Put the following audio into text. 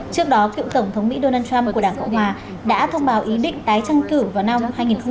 trước đó cựu tổng thống mỹ donald trump của đảng cộng hòa đã thông báo ý định tái tranh cử vào năm hai nghìn hai mươi bốn